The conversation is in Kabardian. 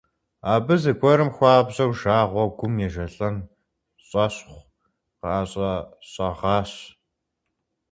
Абы зэгуэрым хуабжьу жагъуэу гум ежэлӀэн щӀэщӀхъу къыӀэщӀэщӀэгъащ.